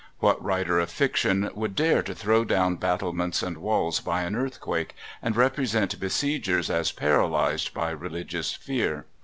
What writer of fiction would dare to throw down battlements and walls by an earthquake, and represent besiegers as paralysed by religious fear?